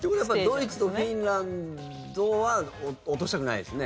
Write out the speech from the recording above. ドイツとフィンランドは落としたくないですね。